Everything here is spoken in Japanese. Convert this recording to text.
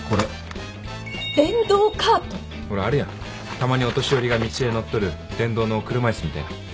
たまにお年寄りが道で乗っとる電動の車椅子みたいな。